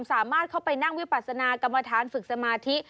สามารถเข้าไปนั่งวิปัสนากรรมฐานฝึกสมาธิ